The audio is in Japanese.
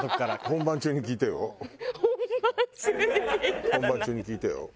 本番中に聞いてよ。